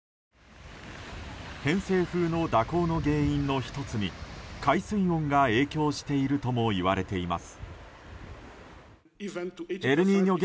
偏西風の蛇行の原因の１つに海水温が影響しているともいわれています。